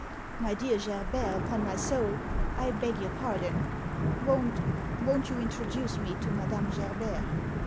"My dear Gerbert, upon my soul, I beg your pardon. Won't — won't you introduce me to Madame Gerbert?"